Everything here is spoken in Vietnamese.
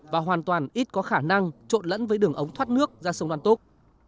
và hoàn toàn ít có khả năng trộn lẫn với đường ống thoát nước ra sông đoan túc